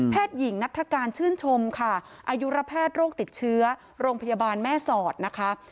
หญิงนัฐการชื่นชมค่ะอายุระแพทย์โรคติดเชื้อโรงพยาบาลแม่สอดนะคะ